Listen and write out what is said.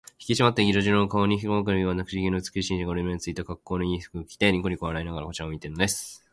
ひきしまった色白の顔に、細くかりこんだ口ひげの美しい紳士が、折り目のついた、かっこうのいい背広服を着て、にこにこ笑いながらこちらを見ているのです。